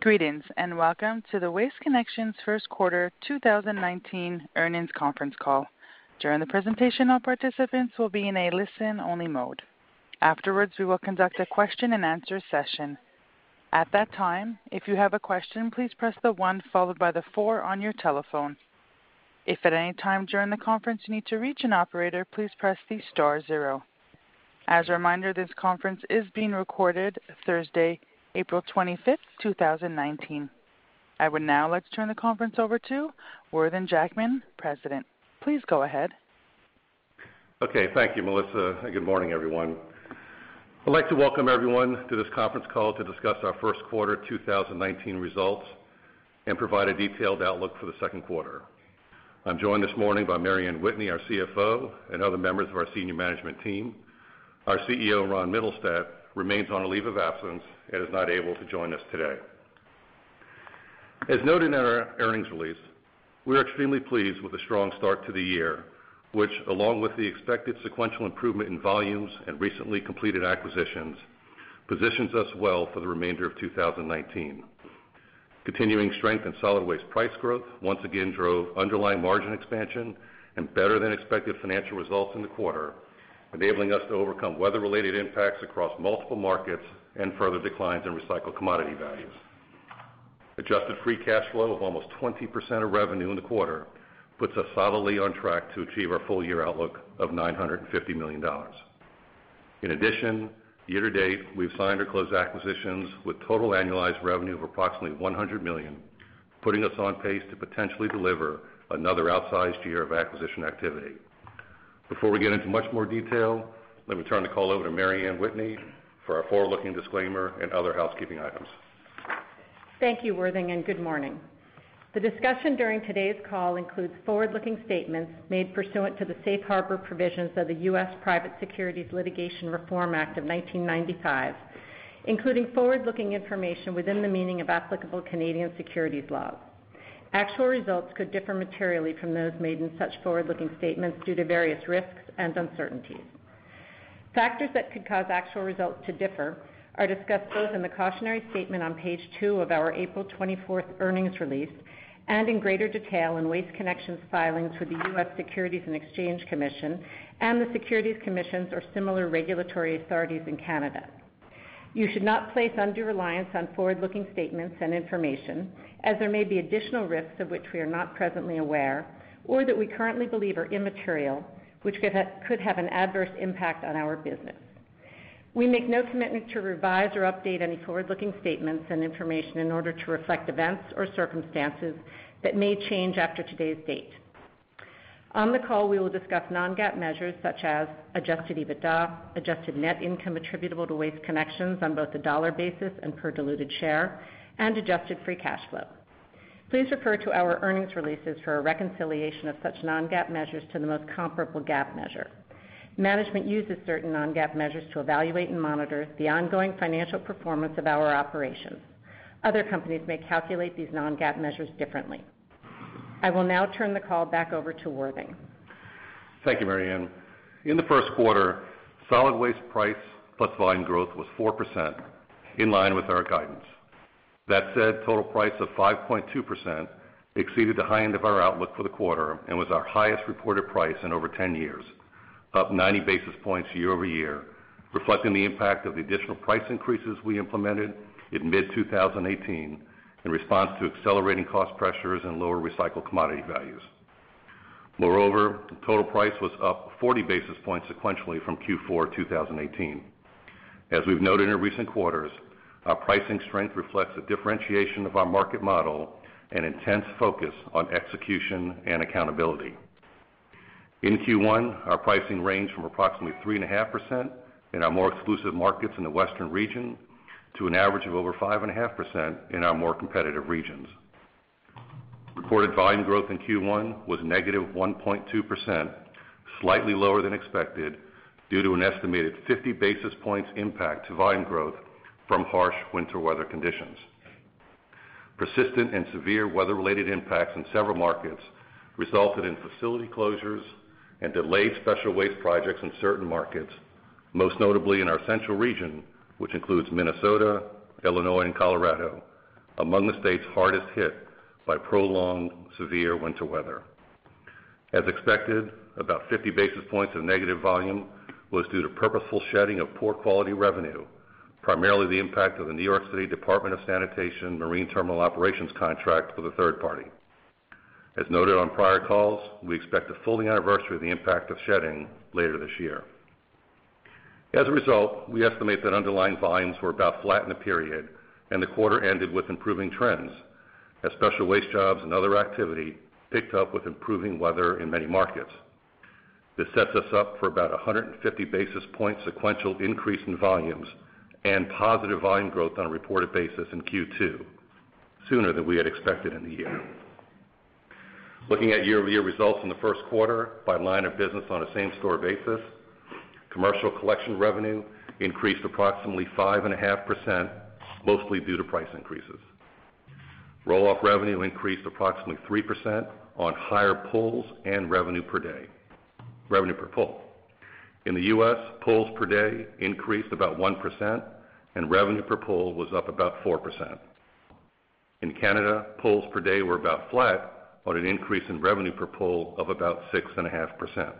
Greetings. Welcome to the Waste Connections first quarter 2019 earnings conference call. During the presentation, all participants will be in a listen-only mode. Afterwards, we will conduct a question-and-answer session. At that time, if you have a question, please press the one, followed by the four on your telephone. If at any time during the conference you need to reach an operator, please press the star zero. As a reminder, this conference is being recorded Thursday, April 25th, 2019. I would now like to turn the conference over to Worthing Jackman, President. Please go ahead. Okay. Thank you, Melissa. Good morning, everyone. I'd like to welcome everyone to this conference call to discuss our first quarter 2019 results and provide a detailed outlook for the second quarter. I'm joined this morning by Mary Anne Whitney, our CFO, and other members of our senior management team. Our CEO, Ronald Mittelstaedt, remains on a leave of absence and is not able to join us today. As noted in our earnings release, we are extremely pleased with the strong start to the year, which along with the expected sequential improvement in volumes and recently completed acquisitions, positions us well for the remainder of 2019. Continuing strength in solid waste price growth once again drove underlying margin expansion and better than expected financial results in the quarter, enabling us to overcome weather-related impacts across multiple markets and further declines in recycled commodity values. Adjusted free cash flow of almost 20% of revenue in the quarter puts us solidly on track to achieve our full-year outlook of $950 million. In addition, year-to-date, we've signed or closed acquisitions with total annualized revenue of approximately $100 million, putting us on pace to potentially deliver another outsized year of acquisition activity. Before we get into much more detail, let me turn the call over to Mary Anne Whitney for our forward-looking disclaimer and other housekeeping items. Thank you, Worthing. Good morning. The discussion during today's call includes forward-looking statements made pursuant to the Safe Harbor provisions of the U.S. Private Securities Litigation Reform Act of 1995, including forward-looking information within the meaning of applicable Canadian securities law. Actual results could differ materially from those made in such forward-looking statements due to various risks and uncertainties. Factors that could cause actual results to differ are discussed both in the cautionary statement on page two of our April 24th earnings release, and in greater detail in Waste Connections' filings with the U.S. Securities and Exchange Commission and the securities commissions or similar regulatory authorities in Canada. You should not place undue reliance on forward-looking statements and information, as there may be additional risks of which we are not presently aware or that we currently believe are immaterial, which could have an adverse impact on our business. We make no commitment to revise or update any forward-looking statements and information in order to reflect events or circumstances that may change after today's date. On the call, we will discuss non-GAAP measures such as adjusted EBITDA, adjusted net income attributable to Waste Connections on both a dollar basis and per diluted share, and adjusted free cash flow. Please refer to our earnings releases for a reconciliation of such non-GAAP measures to the most comparable GAAP measure. Management uses certain non-GAAP measures to evaluate and monitor the ongoing financial performance of our operations. Other companies may calculate these non-GAAP measures differently. I will now turn the call back over to Worthing. Thank you, Mary Anne. In the first quarter, solid waste price plus volume growth was 4%, in line with our guidance. Moreover, total price of 5.2% exceeded the high end of our outlook for the quarter and was our highest reported price in over 10 years, up 90 basis points year-over-year, reflecting the impact of the additional price increases we implemented in mid-2018 in response to accelerating cost pressures and lower recycled commodity values. The total price was up 40 basis points sequentially from Q4 2018. As we've noted in recent quarters, our pricing strength reflects the differentiation of our market model and intense focus on execution and accountability. In Q1, our pricing ranged from approximately 3.5% in our more exclusive markets in the western region, to an average of over 5.5% in our more competitive regions. Reported volume growth in Q1 was -1.2%, slightly lower than expected due to an estimated 50 basis points impact to volume growth from harsh winter weather conditions. Persistent and severe weather-related impacts in several markets resulted in facility closures and delayed special waste projects in certain markets, most notably in our central region, which includes Minnesota, Illinois, and Colorado, among the states hardest hit by prolonged severe winter weather. As expected, about 50 basis points of negative volume was due to purposeful shedding of poor quality revenue, primarily the impact of the New York City Department of Sanitation Marine Terminal Operations contract with a third party. As noted on prior calls, we expect to fully anniversary the impact of shedding later this year. As a result, we estimate that underlying volumes were about flat in the period, and the quarter ended with improving trends as special waste jobs and other activity picked up with improving weather in many markets. This sets us up for about 150 basis points sequential increase in volumes and positive volume growth on a reported basis in Q2, sooner than we had expected in the year. Looking at year-over-year results in the first quarter by line of business on a same-store basis, commercial collection revenue increased approximately 5.5%, mostly due to price increases. Roll-off revenue increased approximately 3% on higher pulls and revenue per day Revenue per pull. In the U.S., pulls per day increased about 1%, and revenue per pull was up about 4%. In Canada, pulls per day were about flat on an increase in revenue per pull of about 6.5%.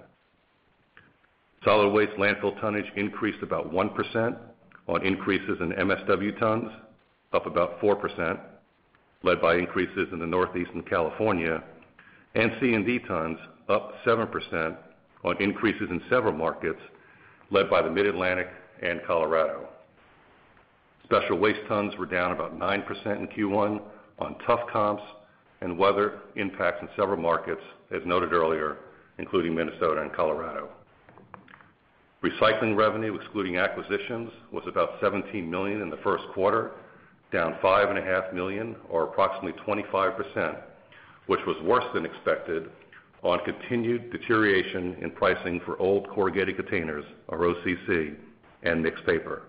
Solid waste landfill tonnage increased about 1% on increases in MSW tons, up about 4%, led by increases in the Northeast and California, and C&D tons, up 7% on increases in several markets, led by the Mid-Atlantic and Colorado. Special waste tons were down about 9% in Q1 on tough comps and weather impacts in several markets, as noted earlier, including Minnesota and Colorado. Recycling revenue, excluding acquisitions, was about $17 million in the first quarter, down $5.5 million, or approximately 25%, which was worse than expected on continued deterioration in pricing for old corrugated containers, or OCC, and mixed paper.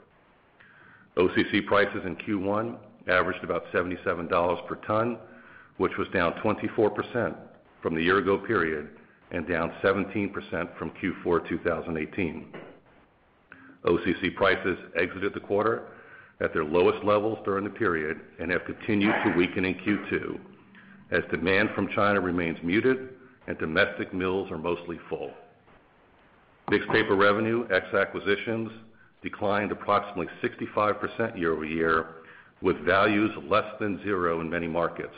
OCC prices in Q1 averaged about $77 per ton, which was down 24% from the year-ago period and down 17% from Q4 2018. OCC prices exited the quarter at their lowest levels during the period and have continued to weaken in Q2 as demand from China remains muted and domestic mills are mostly full. Mixed paper revenue, ex acquisitions, declined approximately 65% year over year, with values less than zero in many markets,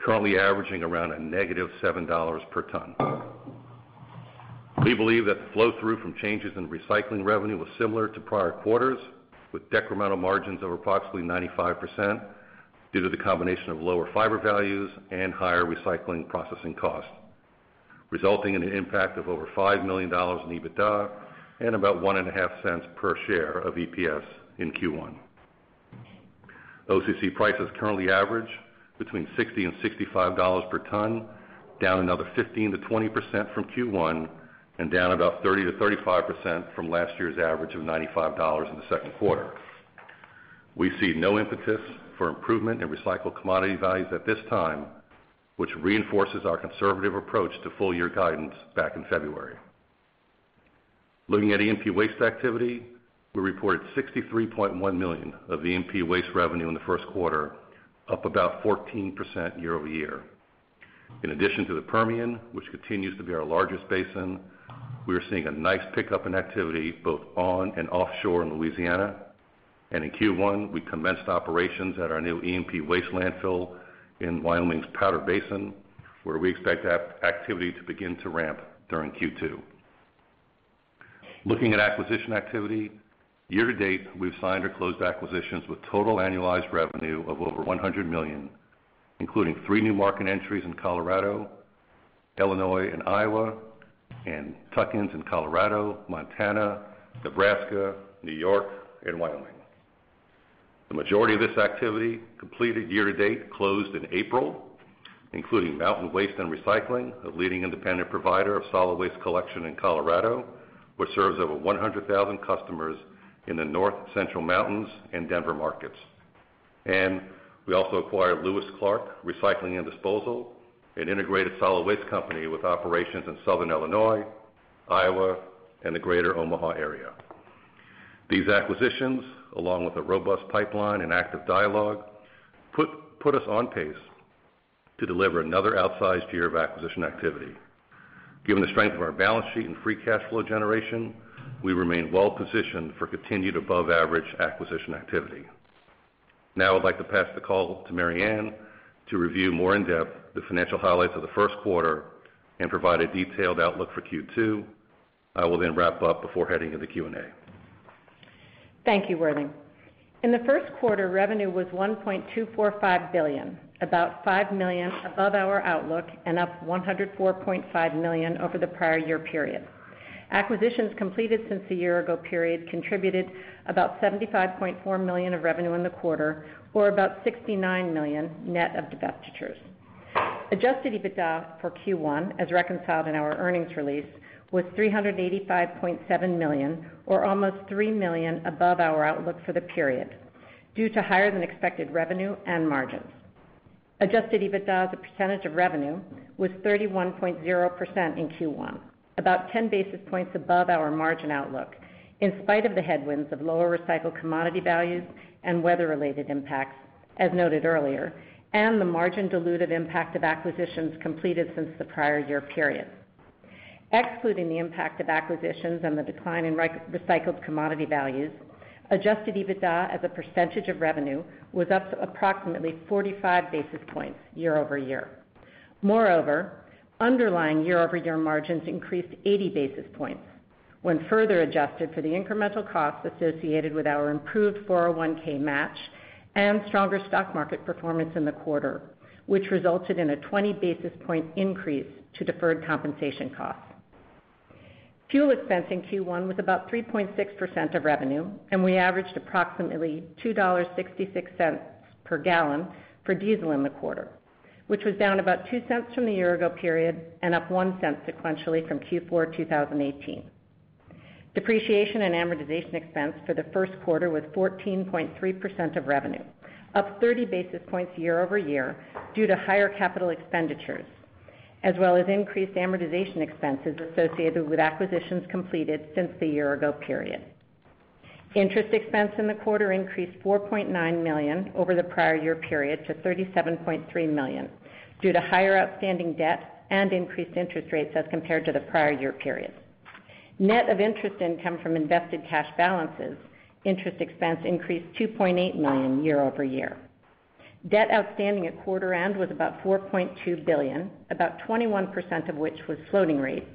currently averaging around a negative $7 per ton. We believe that the flow-through from changes in recycling revenue was similar to prior quarters, with decremental margins of approximately 95% due to the combination of lower fiber values and higher recycling processing costs, resulting in an impact of over $5 million in EBITDA and about $0.015 per share of EPS in Q1. OCC prices currently average between $60 and $65 per ton, down another 15%-20% from Q1 and down about 30%-35% from last year's average of $95 in the second quarter. We see no impetus for improvement in recycled commodity values at this time, which reinforces our conservative approach to full-year guidance back in February. Looking at E&P waste activity, we reported $63.1 million of E&P waste revenue in the first quarter, up about 14% year over year. In addition to the Permian, which continues to be our largest basin, we are seeing a nice pickup in activity both on and offshore in Louisiana. In Q1, we commenced operations at our new E&P waste landfill in Wyoming's Powder River Basin, where we expect activity to begin to ramp during Q2. Looking at acquisition activity, year to date, we've signed or closed acquisitions with total annualized revenue of over $100 million, including three new market entries in Colorado, Illinois, and Iowa, and tuck-ins in Colorado, Montana, Nebraska, New York, and Wyoming. The majority of this activity completed year to date closed in April, including Mountain Waste & Recycling, a leading independent provider of solid waste collection in Colorado, which serves over 100,000 customers in the North Central Mountains and Denver markets. We also acquired Lewis-Clark Recycling & Disposal, an integrated solid waste company with operations in Southern Illinois, Iowa, and the Greater Omaha area. These acquisitions, along with a robust pipeline and active dialogue, put us on pace to deliver another outsized year of acquisition activity. Given the strength of our balance sheet and free cash flow generation, we remain well positioned for continued above-average acquisition activity. I'd like to pass the call to Mary Anne to review more in depth the financial highlights of the first quarter and provide a detailed outlook for Q2. I will wrap up before heading to the Q&A. Thank you, Worthing. In the first quarter, revenue was $1.245 billion, about $5 million above our outlook and up $104.5 million over the prior year period. Acquisitions completed since the year-ago period contributed about $75.4 million of revenue in the quarter or about $69 million net of divestitures. Adjusted EBITDA for Q1, as reconciled in our earnings release, was $385.7 million or almost $3 million above our outlook for the period due to higher-than-expected revenue and margins. Adjusted EBITDA as a percentage of revenue was 31.0% in Q1, about 10 basis points above our margin outlook, in spite of the headwinds of lower recycled commodity values and weather-related impacts, as noted earlier, and the margin dilutive impact of acquisitions completed since the prior year period. Excluding the impact of acquisitions and the decline in recycled commodity values, adjusted EBITDA as a percentage of revenue was up approximately 45 basis points year-over-year. Moreover, underlying year-over-year margins increased 80 basis points when further adjusted for the incremental costs associated with our improved 401 match and stronger stock market performance in the quarter, which resulted in a 20-basis-point increase to deferred compensation costs. Fuel expense in Q1 was about 3.6% of revenue, and we averaged approximately $2.66 per gallon for diesel in the quarter, which was down about $0.02 from the year-ago period and up $0.01 sequentially from Q4 2018. Depreciation and amortization expense for the first quarter was 14.3% of revenue, up 30 basis points year-over-year due to higher capital expenditures, as well as increased amortization expenses associated with acquisitions completed since the year-ago period. Interest expense in the quarter increased $4.9 million over the prior year period to $37.3 million, due to higher outstanding debt and increased interest rates as compared to the prior year period. Net of interest income from invested cash balances, interest expense increased $2.8 million year-over-year. Debt outstanding at quarter end was about $4.2 billion, about 21% of which was floating rate.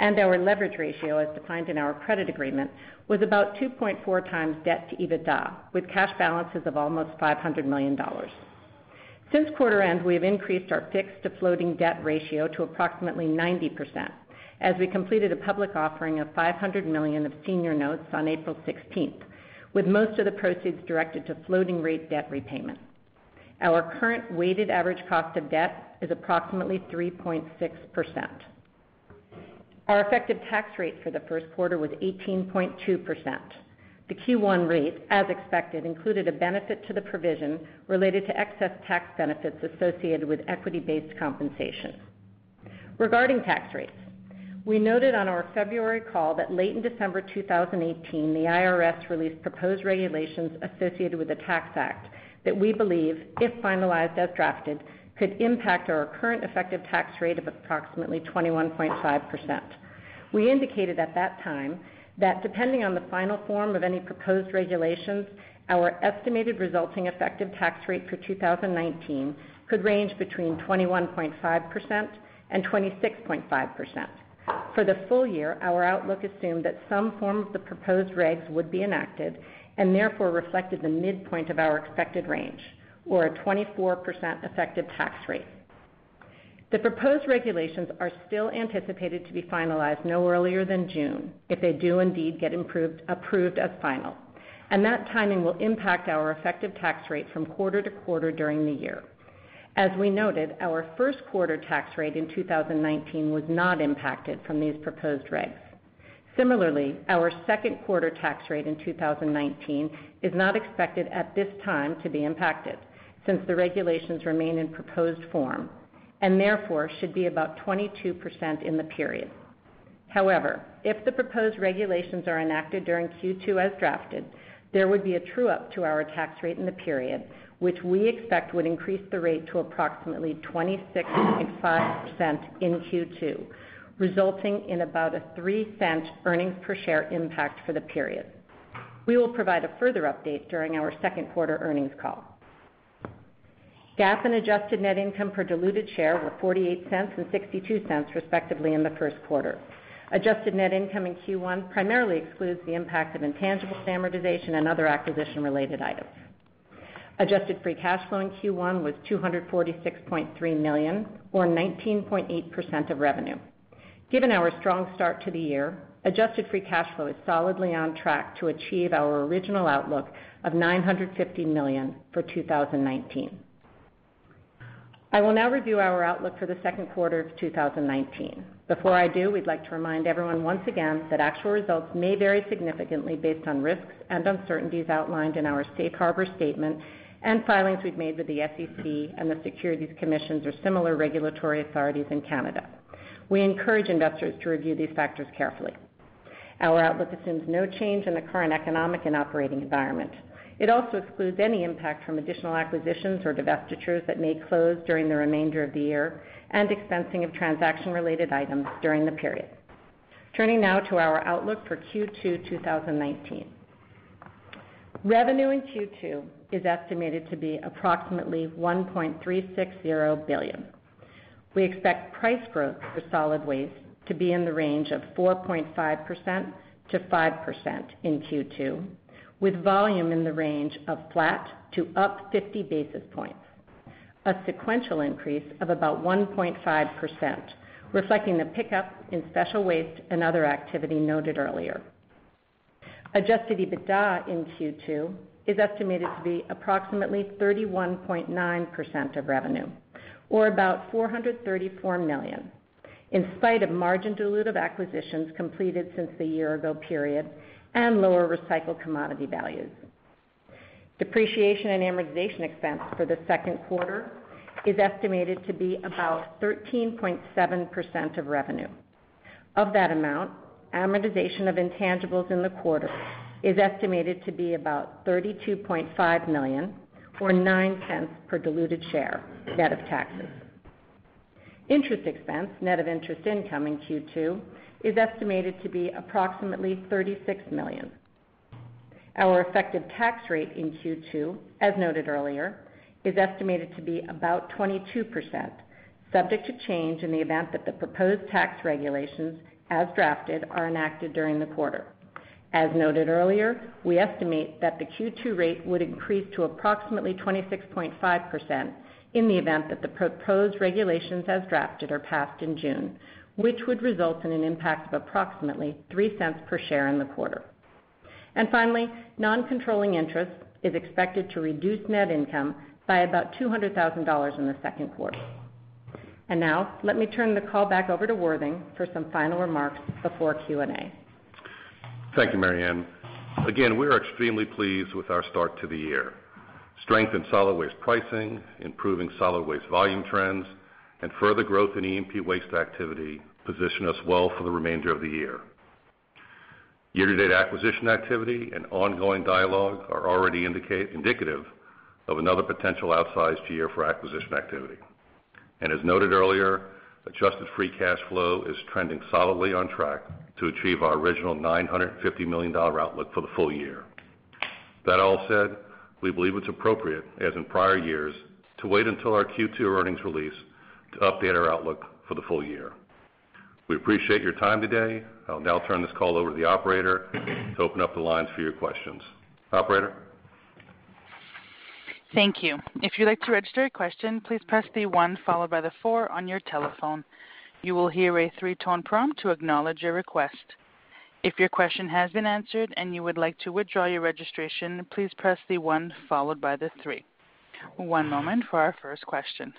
Our leverage ratio, as defined in our credit agreement, was about 2.4 times debt to EBITDA, with cash balances of almost $500 million. Since quarter end, we have increased our fixed to floating debt ratio to approximately 90%, as we completed a public offering of $500 million of senior notes on April 16th, with most of the proceeds directed to floating rate debt repayment. Our current weighted average cost of debt is approximately 3.6%. Our effective tax rate for the first quarter was 18.2%. The Q1 rate, as expected, included a benefit to the provision related to excess tax benefits associated with equity-based compensation. Regarding tax rates, we noted on our February call that late in December 2018, the IRS released proposed regulations associated with the Tax Act that we believe, if finalized as drafted, could impact our current effective tax rate of approximately 21.5%. We indicated at that time that depending on the final form of any proposed regulations, our estimated resulting effective tax rate for 2019 could range between 21.5%-26.5%. For the full year, our outlook assumed that some form of the proposed regs would be enacted, and therefore reflected the midpoint of our expected range, or a 24% effective tax rate. The proposed regulations are still anticipated to be finalized no earlier than June if they do indeed get approved as final, that timing will impact our effective tax rate from quarter to quarter during the year. As we noted, our first quarter tax rate in 2019 was not impacted from these proposed regs. Similarly, our second quarter tax rate in 2019 is not expected at this time to be impacted since the regulations remain in proposed form, and therefore should be about 22% in the period. However, if the proposed regulations are enacted during Q2 as drafted, there would be a true up to our tax rate in the period, which we expect would increase the rate to approximately 26.5% in Q2, resulting in about a $0.03 earnings per share impact for the period. We will provide a further update during our second quarter earnings call. GAAP and adjusted net income per diluted share were $0.48 and $0.62 respectively in the first quarter. Adjusted net income in Q1 primarily excludes the impact of intangibles amortization and other acquisition-related items. Adjusted free cash flow in Q1 was $246.3 million, or 19.8% of revenue. Given our strong start to the year, adjusted free cash flow is solidly on track to achieve our original outlook of $950 million for 2019. I will now review our outlook for the second quarter of 2019. Before I do, we'd like to remind everyone once again that actual results may vary significantly based on risks and uncertainties outlined in our safe harbor statement and filings we've made with the SEC and the securities commissions or similar regulatory authorities in Canada. We encourage investors to review these factors carefully. Our outlook assumes no change in the current economic and operating environment. It also excludes any impact from additional acquisitions or divestitures that may close during the remainder of the year and expensing of transaction-related items during the period. Turning now to our outlook for Q2 2019. Revenue in Q2 is estimated to be approximately $1.360 billion. We expect price growth for solid waste to be in the range of 4.5%-5% in Q2, with volume in the range of flat to up 50 basis points. A sequential increase of about 1.5%, reflecting the pickup in special waste and other activity noted earlier. Adjusted EBITDA in Q2 is estimated to be approximately 31.9% of revenue, or about $434 million, in spite of margin dilutive acquisitions completed since the year-ago period and lower recycled commodity values. Depreciation and amortization expense for the second quarter is estimated to be about 13.7% of revenue. Of that amount, amortization of intangibles in the quarter is estimated to be about $32.5 million, or $0.09 per diluted share, net of taxes. Interest expense net of interest income in Q2 is estimated to be approximately $36 million. Our effective tax rate in Q2, as noted earlier, is estimated to be about 22%, subject to change in the event that the proposed tax regulations, as drafted, are enacted during the quarter. As noted earlier, we estimate that the Q2 rate would increase to approximately 26.5% in the event that the proposed regulations as drafted are passed in June, which would result in an impact of approximately $0.03 per share in the quarter. Finally, non-controlling interest is expected to reduce net income by about $200,000 in the second quarter. Now let me turn the call back over to Worthing for some final remarks before Q&A. Thank you, Mary Anne. Again, we are extremely pleased with our start to the year. Strength in solid waste pricing, improving solid waste volume trends, and further growth in E&P waste activity position us well for the remainder of the year. Year-to-date acquisition activity and ongoing dialogue are already indicative of another potential outsized year for acquisition activity. As noted earlier, adjusted free cash flow is trending solidly on track to achieve our original $950 million outlook for the full year. That all said, we believe it's appropriate, as in prior years, to wait until our Q2 earnings release to update our outlook for the full year. We appreciate your time today. I'll now turn this call over to the operator to open up the lines for your questions. Operator? Thank you. If you'd like to register a question, please press the one followed by the four on your telephone. You will hear a three-tone prompt to acknowledge your request. If your question has been answered and you would like to withdraw your registration, please press the one followed by the three. One moment for our first question.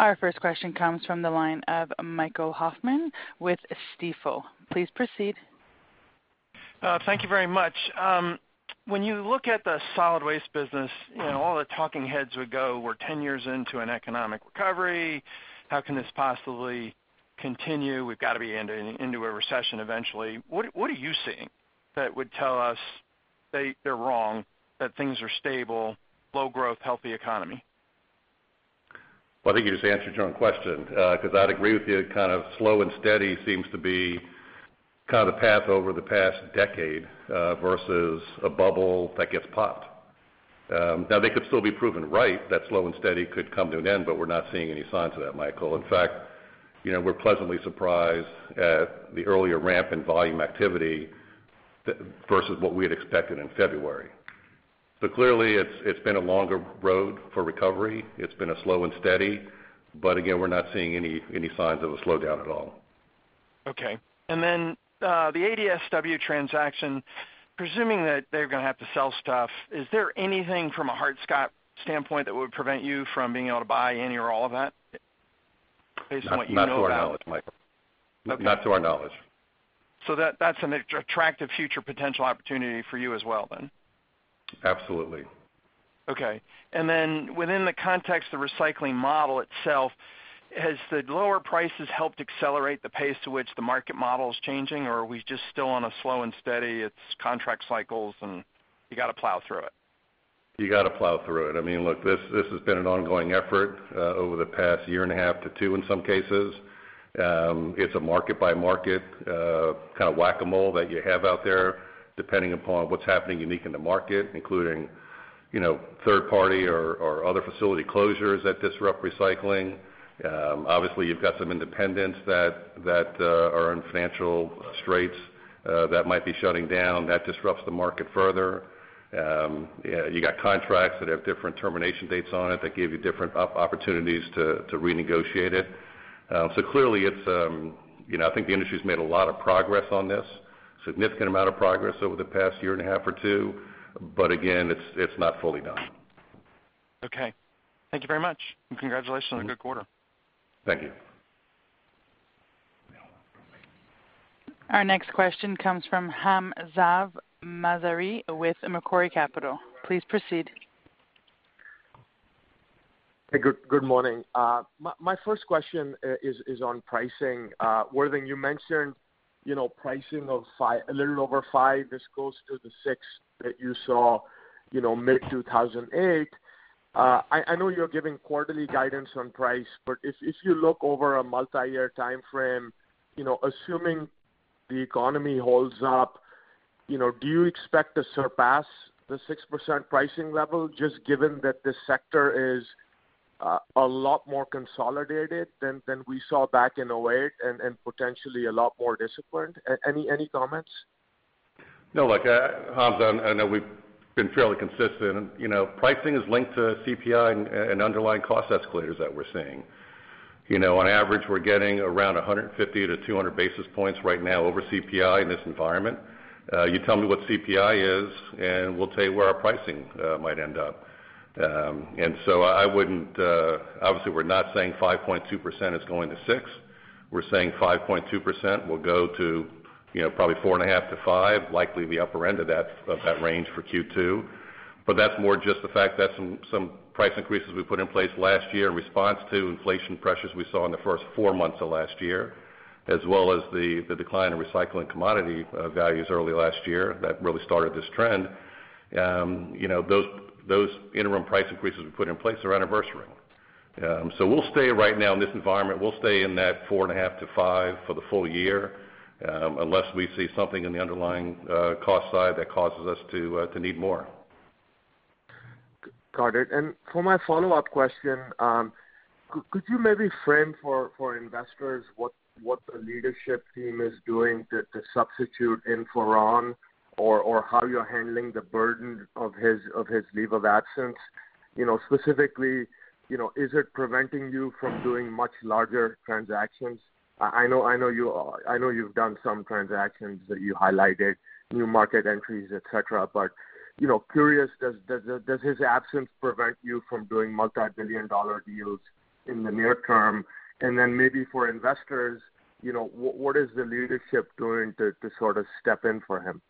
Our first question comes from the line of Michael Hoffman with Stifel. Please proceed. Thank you very much. When you look at the solid waste business, all the talking heads would go, "We're 10 years into an economic recovery. How can this possibly continue? We've got to be into a recession eventually." What are you seeing that would tell us they're wrong, that things are stable, low growth, healthy economy? Well, I think you just answered your own question. I'd agree with you, kind of slow and steady seems to be kind of the path over the past decade, versus a bubble that gets popped. Now, they could still be proven right, that slow and steady could come to an end, but we're not seeing any signs of that, Michael. In fact, we're pleasantly surprised at the earlier ramp in volume activity versus what we had expected in February. Clearly, it's been a longer road for recovery. It's been slow and steady, but again, we're not seeing any signs of a slowdown at all. Okay. The ADSW transaction, presuming that they're going to have to sell stuff, is there anything from a Hart-Scott standpoint that would prevent you from being able to buy any or all of that, based on what you know about? Not to our knowledge, Michael. Okay. Not to our knowledge. That's an attractive future potential opportunity for you as well, then? Absolutely. Okay. Within the context of the recycling model itself, has the lower prices helped accelerate the pace to which the market model is changing, or are we just still on a slow and steady, it's contract cycles and you got to plow through it? You got to plow through it. Look, this has been an ongoing effort, over the past year and a half to two in some cases. It's a market-by-market, kind of Whac-A-Mole that you have out there, depending upon what's happening unique in the market, including third-party or other facility closures that disrupt recycling. Obviously, you've got some independents that are in financial straits that might be shutting down. That disrupts the market further. You got contracts that have different termination dates on it that give you different opportunities to renegotiate it. Clearly, I think the industry's made a lot of progress on this, significant amount of progress over the past year and a half or two. Again, it's not fully done. Okay. Thank you very much, congratulations on a good quarter. Thank you. Our next question comes from Hamzah Mazari with Macquarie Capital. Please proceed. Hey, good morning. My first question is on pricing. Worthing, you mentioned pricing of a little over 5%, this goes to the 6% that you saw mid-2008. I know you're giving quarterly guidance on price, but if you look over a multi-year timeframe, assuming the economy holds up, do you expect to surpass the 6% pricing level, just given that this sector is a lot more consolidated than we saw back in 2008 and potentially a lot more disciplined? Any comments? No, look, Hamzah, I know we've been fairly consistent. Pricing is linked to CPI and underlying cost escalators that we're seeing. On average, we're getting around 150 to 200 basis points right now over CPI in this environment. You tell me what CPI is, and we'll tell you where our pricing might end up. Obviously, we're not saying 5.2% is going to 6%. We're saying 5.2% will go to probably 4.5%-5%, likely the upper end of that range for Q2. That's more just the fact that some price increases we put in place last year in response to inflation pressures we saw in the first four months of last year, as well as the decline in recycling commodity values early last year that really started this trend. Those interim price increases we put in place are anniversarying. We'll stay right now in this environment. We'll stay in that 4.5%-5% for the full year, unless we see something in the underlying cost side that causes us to need more. Got it. For my follow-up question, could you maybe frame for investors what the leadership team is doing to substitute in for Ron, or how you're handling the burden of his leave of absence? Specifically, is it preventing you from doing much larger transactions? I know you've done some transactions that you highlighted, new market entries, et cetera. Curious, does his absence prevent you from doing multi-billion dollar deals in the near term? Then maybe for investors, what is the leadership doing to sort of step in for him?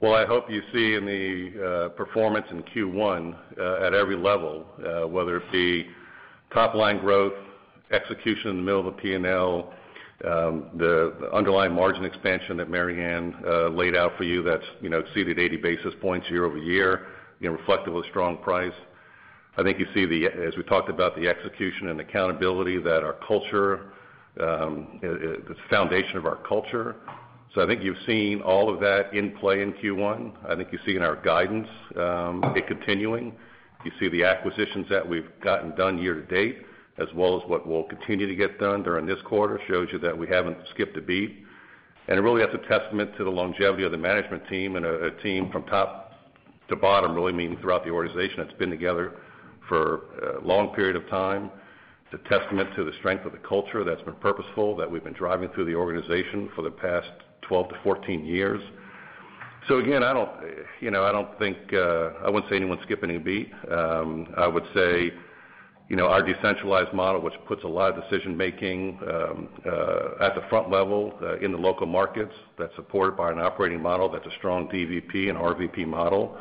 Well, I hope you see in the performance in Q1 at every level, whether it be top-line growth, execution in the middle of a P&L, the underlying margin expansion that Mary Anne laid out for you that's exceeded 80 basis points year-over-year, reflective of strong price. I think you see, as we talked about, the execution and accountability that our culture, the foundation of our culture. I think you've seen all of that in play in Q1. I think you see in our guidance it continuing. You see the acquisitions that we've gotten done year-to-date, as well as what we'll continue to get done during this quarter, shows you that we haven't skipped a beat. It really is a testament to the longevity of the management team and a team from top to bottom, really meaning throughout the organization, that's been together for a long period of time. It's a testament to the strength of the culture that's been purposeful, that we've been driving through the organization for the past 12 to 14 years. Again, I wouldn't say anyone's skipping a beat. I would say our decentralized model, which puts a lot of decision-making at the front level in the local markets, that's supported by an operating model that's a strong PVP and RVP model,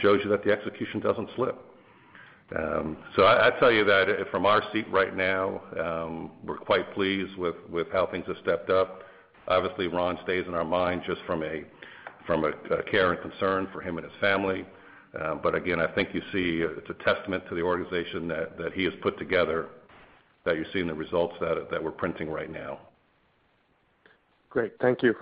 shows you that the execution doesn't slip. I tell you that from our seat right now, we're quite pleased with how things have stepped up. Obviously, Ron stays in our mind just from a care and concern for him and his family. Again, I think you see it's a testament to the organization that he has put together, that you're seeing the results that we're printing right now. Great. Thank you.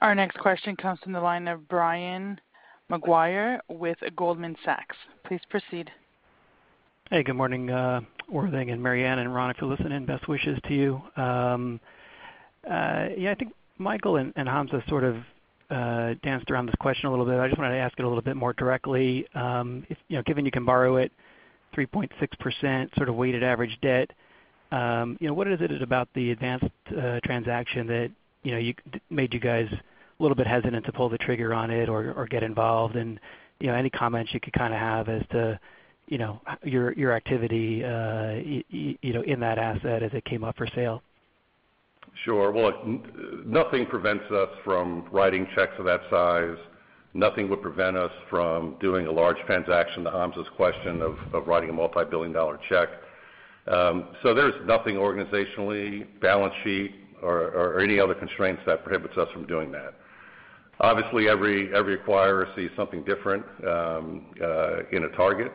Our next question comes from the line of Brian Maguire with Goldman Sachs. Please proceed. Hey, good morning, Worthing and Mary Anne, and Ron, if you're listening, best wishes to you. Yeah, I think Michael and Hamzah sort of danced around this question a little bit. I just wanted to ask it a little bit more directly. Given you can borrow it 3.6% sort of weighted average debt, what is it about the Advanced transaction that made you guys a little bit hesitant to pull the trigger on it or get involved in? Any comments you could kind of have as to your activity in that asset as it came up for sale? Sure. Well, nothing prevents us from writing checks of that size. Nothing would prevent us from doing a large transaction, to Hamzah's question, of writing a multi-billion dollar check. There's nothing organizationally, balance sheet, or any other constraints that prohibits us from doing that. Obviously, every acquirer sees something different in a target.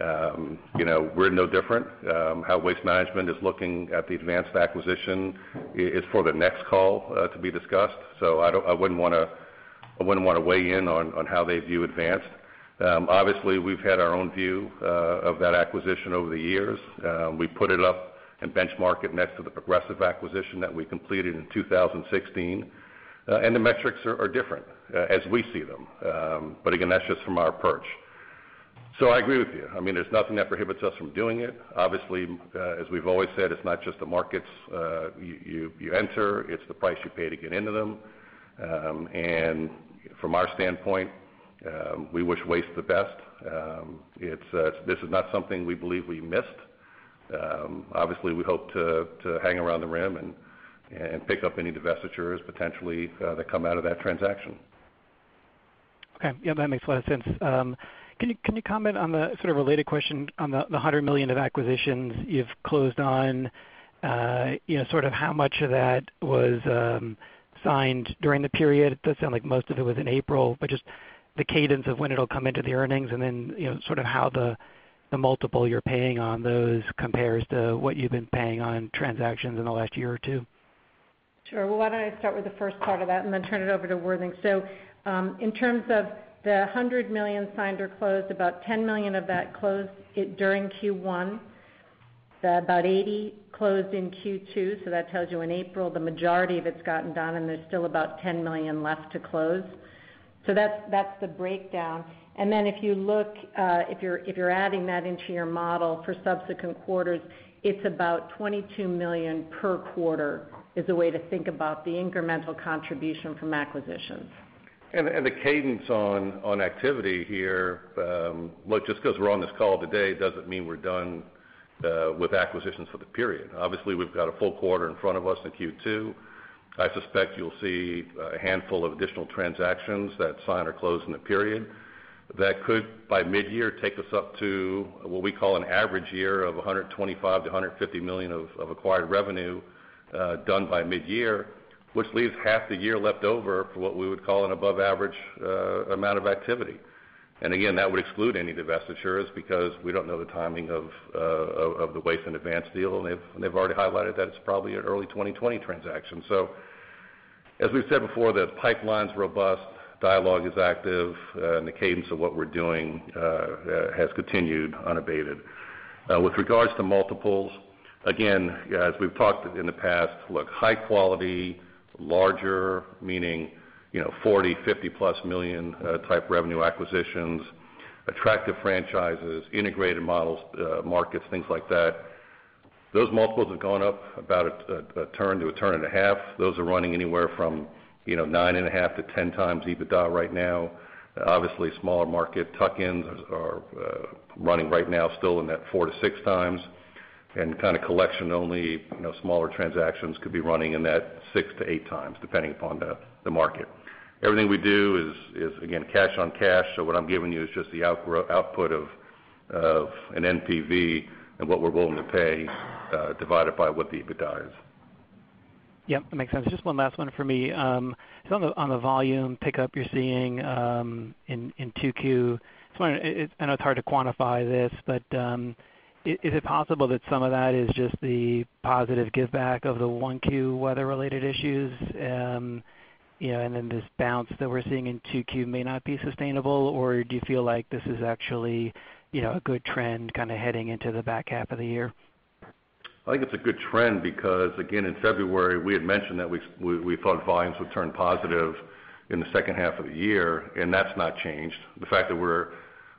We're no different. How Waste Management is looking at the Advanced acquisition is for the next call to be discussed. I wouldn't want to weigh in on how they view Advanced. Obviously, we've had our own view of that acquisition over the years. We put it up and benchmark it next to the Progressive acquisition that we completed in 2016. The metrics are different as we see them. But again, that's just from our perch. I agree with you. There's nothing that prohibits us from doing it. Obviously, as we've always said, it's not just the markets you enter, it's the price you pay to get into them. From our standpoint, we wish Waste the best. This is not something we believe we missed. Obviously, we hope to hang around the rim and pick up any divestitures, potentially, that come out of that transaction. Okay. Yeah, that makes a lot of sense. Can you comment on the sort of related question on the $100 million of acquisitions you've closed on, sort of how much of that was signed during the period? It does sound like most of it was in April, but just the cadence of when it'll come into the earnings and then sort of how the multiple you're paying on those compares to what you've been paying on transactions in the last year or two. Sure. Well, why don't I start with the first part of that and then turn it over to Worthing. In terms of the $100 million signed or closed, about $10 million of that closed during Q1. About $80 closed in Q2, that tells you in April, the majority of it's gotten done, and there's still about $10 million left to close. That's the breakdown. Then if you're adding that into your model for subsequent quarters, it's about $22 million per quarter, is a way to think about the incremental contribution from acquisitions. The cadence on activity here Look, just because we're on this call today doesn't mean we're done with acquisitions for the period. Obviously, we've got a full quarter in front of us in Q2. I suspect you'll see a handful of additional transactions that sign or close in the period. That could, by mid-year, take us up to what we call an average year of $125 million-$150 million of acquired revenue done by mid-year, which leaves half the year left over for what we would call an above average amount of activity. Again, that would exclude any divestitures because we don't know the timing of the Waste and Advanced deal, and they've already highlighted that it's probably an early 2020 transaction. As we've said before, the pipeline's robust, dialogue is active, and the cadence of what we're doing has continued unabated. With regards to multiples, again, as we've talked in the past, look, high quality, larger, meaning $40 million, $50 million-plus type revenue acquisitionsAttractive franchises, integrated models, markets, things like that. Those multiples have gone up about a turn to a turn and a half. Those are running anywhere from 9.5x-10x EBITDA right now. Obviously, smaller market tuck-ins are running right now still in that 4x-6x, and kind of collection only, smaller transactions could be running in that 6x-8x, depending upon the market. Everything we do is, again, cash on cash. What I'm giving you is just the output of an NPV and what we're willing to pay, divided by what the EBITDA is. Yep, that makes sense. Just one last one for me. On the volume pickup you're seeing in 2Q, I know it's hard to quantify this, but is it possible that some of that is just the positive giveback of the 1Q weather-related issues, and then this bounce that we're seeing in 2Q may not be sustainable? Or do you feel like this is actually a good trend kind of heading into the back half of the year? I think it's a good trend because, again, in February, we had mentioned that we thought volumes would turn positive in the second half of the year, and that's not changed. The fact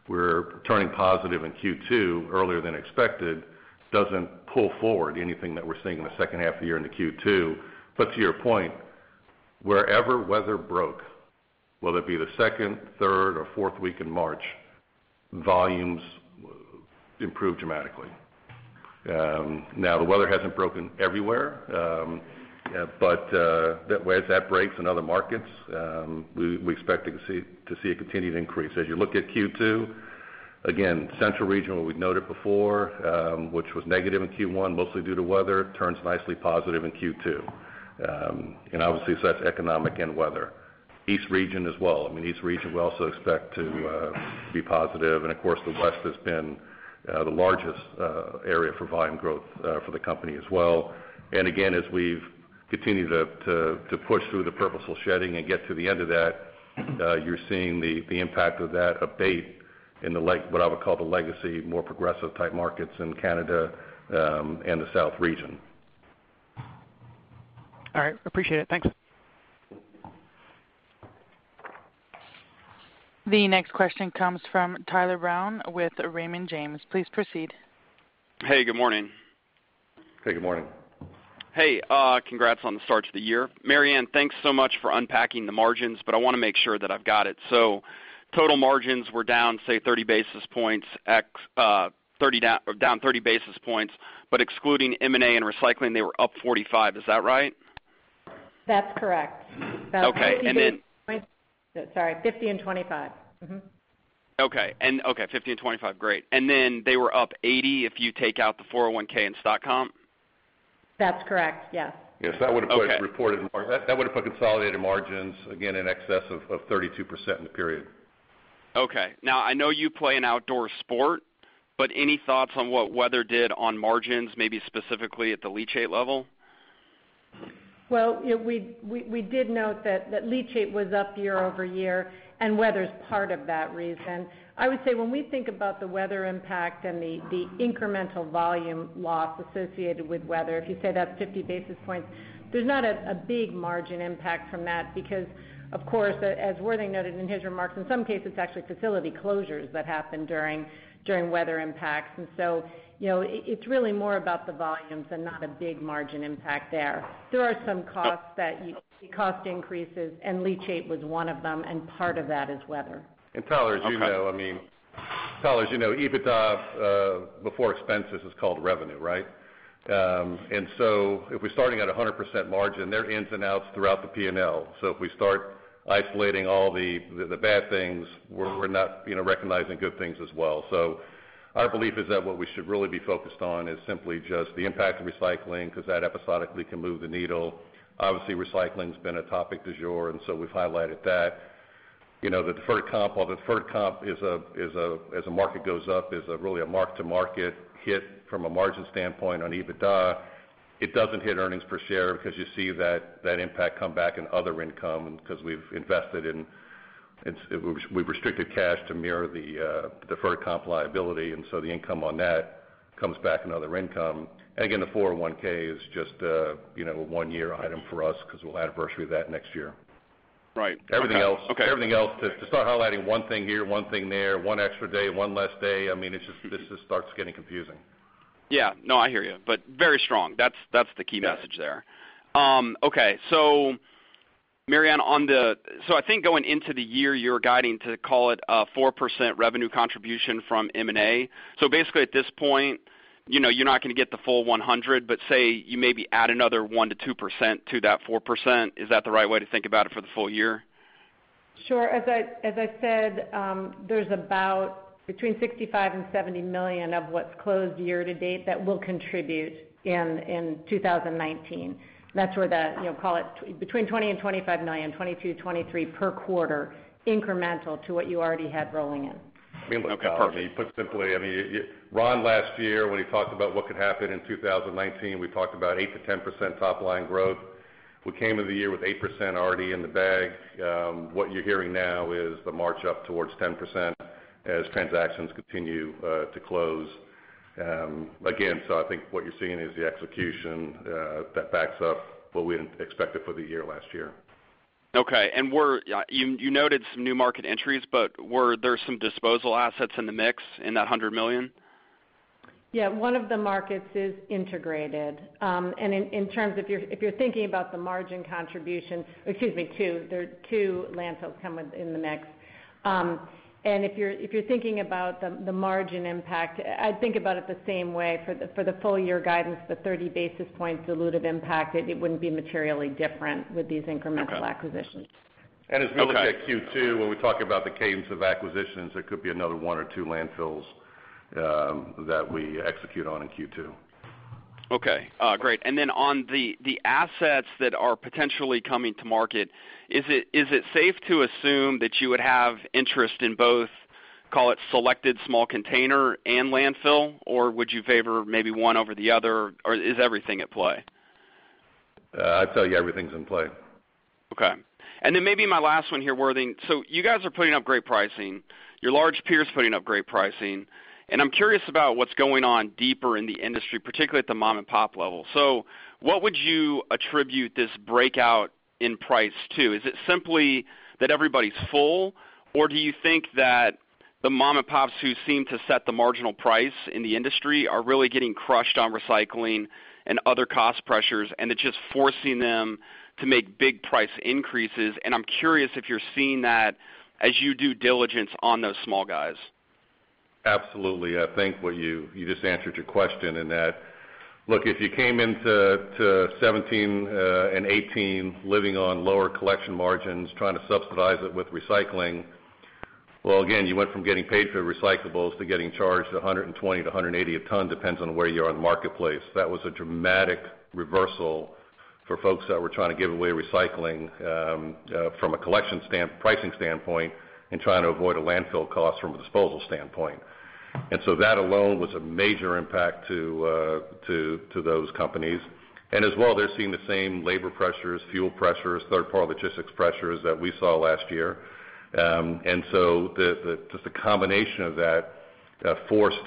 that we're turning positive in Q2 earlier than expected doesn't pull forward anything that we're seeing in the second half of the year into Q2. To your point, wherever weather broke, whether it be the second, third, or fourth week in March, volumes improved dramatically. Now, the weather hasn't broken everywhere, but as that breaks in other markets, we expect to see a continued increase. As you look at Q2, again, central region, what we've noted before, which was negative in Q1 mostly due to weather, turns nicely positive in Q2. Obviously, that's economic and weather. East region as well. East region we also expect to be positive. Of course, the West has been the largest area for volume growth for the company as well. Again, as we've continued to push through the purposeful shedding and get to the end of that, you're seeing the impact of that abate in what I would call the legacy, more Progressive type markets in Canada and the South region. All right. Appreciate it. Thanks. The next question comes from Tyler Brown with Raymond James. Please proceed. Hey, good morning. Hey, good morning. Hey, congrats on the start to the year. Mary Anne, thanks so much for unpacking the margins, I want to make sure that I've got it. Total margins were down, say, 30 basis points, but excluding M&A and recycling, they were up 45. Is that right? That's correct. Okay. Sorry, 50 and 25. Mm-hmm. Okay. 50 and 25. Great. They were up 80 if you take out the 401 and stock comp? That's correct, yes. Yes, that would've. Okay consolidated margins, again, in excess of 32% in the period. Okay. Now, I know you play an outdoor sport, but any thoughts on what weather did on margins, maybe specifically at the leachate level? Well, we did note that leachate was up year-over-year. Weather's part of that reason. I would say when we think about the weather impact and the incremental volume loss associated with weather, if you say that's 50 basis points, there's not a big margin impact from that because, of course, as Worthing noted in his remarks, in some cases, it's actually facility closures that happen during weather impacts. It's really more about the volumes and not a big margin impact there. There are some costs that you see, cost increases. Leachate was one of them, and part of that is weather. Tyler, as you know, EBITDA before expenses is called revenue, right? If we're starting at 100% margin, there are ins and outs throughout the P&L. If we start isolating all the bad things, we're not recognizing good things as well. Our belief is that what we should really be focused on is simply just the impact of recycling, because that episodically can move the needle. Obviously, recycling's been a topic du jour. We've highlighted that. The deferred comp, as the market goes up, is really a mark-to-market hit from a margin standpoint on EBITDA. It doesn't hit earnings per share because you see that impact come back in other income because we've restricted cash to mirror the deferred comp liability. The income on that comes back in other income. Again, the 401 is just a one-year item for us because we'll anniversary that next year. Right. Okay. Everything else, to start highlighting one thing here, one thing there, one extra day, one less day, it just starts getting confusing. I hear you. Very strong. That's the key message there. Yeah. Okay. Mary Anne, I think going into the year, you were guiding to call it a 4% revenue contribution from M&A. Basically at this point, you're not going to get the full 100, but say, you maybe add another 1%-2% to that 4%. Is that the right way to think about it for the full year? Sure. As I said, there's about between $65 million and $70 million of what's closed year to date that will contribute in 2019. That's where the, call it between $20 million and $25 million, $22 million, $23 million per quarter incremental to what you already had rolling in. Okay, perfect. Put simply, Ron last year, when he talked about what could happen in 2019, we talked about 8%-10% top-line growth. We came into the year with 8% already in the bag. What you're hearing now is the march up towards 10% as transactions continue to close. Again, I think what you're seeing is the execution that backs up what we had expected for the year last year. Okay. You noted some new market entries, were there some disposal assets in the mix in that $100 million? Yeah, one of the markets is integrated. In terms, if you're thinking about the margin contribution Excuse me, two landfills come within the mix. If you're thinking about the margin impact, I'd think about it the same way for the full-year guidance, the 30 basis points dilutive impact, it wouldn't be materially different with these incremental acquisitions. Okay. As we look at Q2, when we talk about the cadence of acquisitions, there could be another one or two landfills that we execute on in Q2. Okay. Great. On the assets that are potentially coming to market, is it safe to assume that you would have interest in both, call it selected small container and landfill, or would you favor maybe one over the other, or is everything at play? I'd tell you everything's in play. Okay. Maybe my last one here, Worthing. You guys are putting up great pricing. Your large peer's putting up great pricing. I'm curious about what's going on deeper in the industry, particularly at the mom and pop level. What would you attribute this breakout in price to? Is it simply that everybody's full, or do you think that the mom and pops who seem to set the marginal price in the industry are really getting crushed on recycling and other cost pressures, and it's just forcing them to make big price increases? I'm curious if you're seeing that as you do diligence on those small guys. Absolutely. I think you just answered your question in that. Look, if you came into 2017 and 2018 living on lower collection margins, trying to subsidize it with recycling, well, again, you went from getting paid for recyclables to getting charged $120-$180 a ton, depends on where you are in the marketplace. That was a dramatic reversal for folks that were trying to give away recycling from a collection pricing standpoint and trying to avoid a landfill cost from a disposal standpoint. That alone was a major impact to those companies. As well, they're seeing the same labor pressures, fuel pressures, third-party logistics pressures that we saw last year. Just a combination of that forced